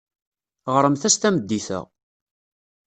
Ɣremt-as tameddit-a.